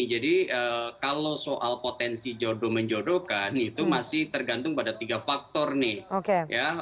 jadi kalau soal potensi jodoh menjodohkan itu masih tergantung pada tiga faktor nih